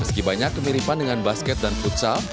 meski banyak kemiripan kita harus mencoba keseruan bermain full ball